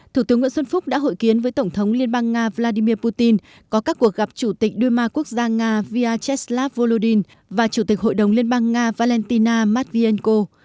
thủ tướng nguyễn xuân phúc đã hội kiến với tổng thống liên bang nga vladimir putin có các cuộc gặp chủ tịch đuôi ma quốc gia nga vyacheslav volodin và chủ tịch hội đồng liên bang nga valentina matvienko